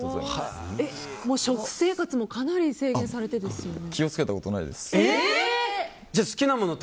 もう食生活もかなり制限されてですよね？